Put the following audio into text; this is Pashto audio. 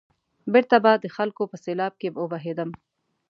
بېرته به د خلکو په سېلاب کې وبهېدم.